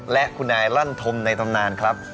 และคุณไอลั่นธรรมในธรรมนานครับ